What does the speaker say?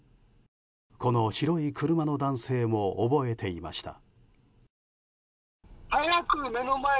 この白い車の男性も覚えていました。